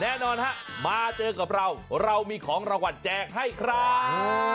แน่นอนฮะมาเจอกับเราเรามีของรางวัลแจกให้ครับ